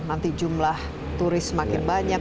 nanti jumlah turis semakin banyak